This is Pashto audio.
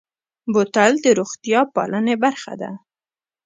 بوتل د روغتیا پالنې برخه ده.